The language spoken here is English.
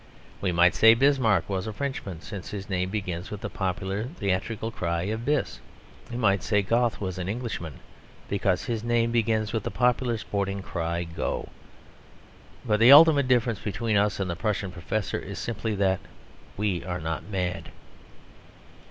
We might say Bismarck was a Frenchman, since his name begins with the popular theatrical cry of "Bis!" We might say Goethe was an Englishman, because his name begins with the popular sporting cry "Go!" But the ultimate difference between us and the Prussian professor is simply that we are not mad.